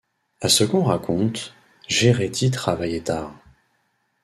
À ce qu’on raconte, Gerety travaillait tard.